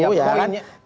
nah karena itu